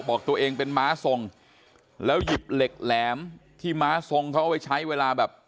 บอกตัวเองเป็นม้าทรงแล้วหยิบเหล็กแหลมที่ม้าทรงเขาเอาไว้ใช้เวลาแบบ